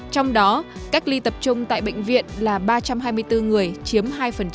trong đó cách ly tập trung tại bệnh viện là ba trăm hai mươi bốn người chiếm hai